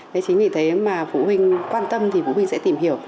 thế chính vì thế mà phụ huynh quan tâm thì phụ huynh sẽ tìm hiểu